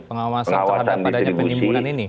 pengawasan terhadap adanya penimbunan ini